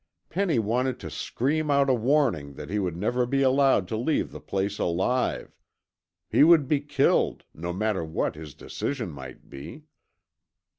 Penny wanted to scream out a warning that he would never be allowed to leave the place alive. He would be killed, no matter what his decision might be.